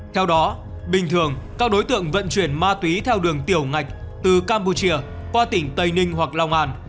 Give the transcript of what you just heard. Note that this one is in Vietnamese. theo đó bình thường các đối tượng vận chuyển ma túy theo đường tiểu ngạch từ campuchia qua tỉnh tây ninh hoặc long an